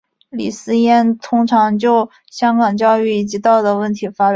李偲嫣经常就香港教育及道德问题发表意见。